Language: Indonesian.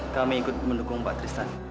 kami ikut mendukung pak tristan